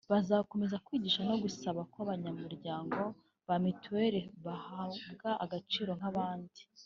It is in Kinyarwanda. bazakomeza kwigisha no gusaba ko abanyamuryango ba mituweli bahabwa agaciro nk’abandi